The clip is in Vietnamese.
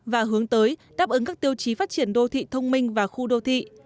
và hướng tới đáp ứng các tiêu chí phát triển đô thị thông minh và khu đô thị